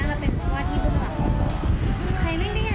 ที่เราไปเจอแถวแบบเชิงสภาพภาพภิกษ์ก็อ่ะครับ